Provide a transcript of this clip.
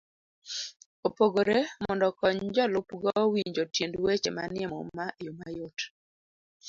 opogore mondo okony jolupgo winjo tiend weche manie Muma e yo mayot.